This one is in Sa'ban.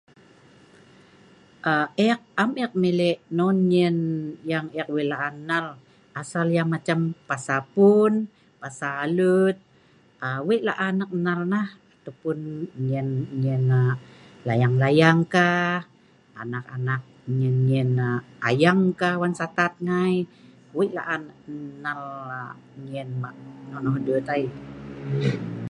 Ek am ek mile' non nyen yang(nok) ek wei laan nnal ,asal yah macam pasa puun, pasa alut wei laan ek nnal nah, atau pun nyen layang-layang kah, anak-anak nyen-nyen ayang kah wan satat ngai wei laan ek nnal nyen nok nonoh dut ai